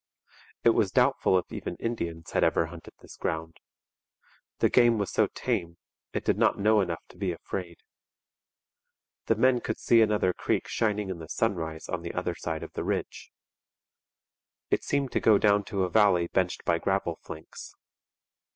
It was doubtful if even Indians had ever hunted this ground. The game was so tame, it did not know enough to be afraid. The men could see another creek shining in the sunrise on the other side of the ridge. It seemed to go down to a valley benched by gravel flanks.